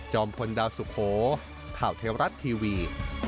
จอมพลดาวสุโขข่าวเทวรัตน์ทีวี